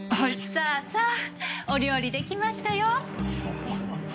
さあさあお料理できましたよ。